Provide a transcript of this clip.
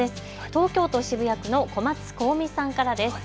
東京都渋谷区の小松皇美さんからです。